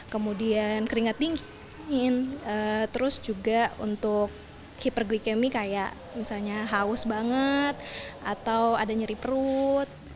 kemudian keringat dingin terus juga untuk hiperglikemi kayak misalnya haus banget atau ada nyeri perut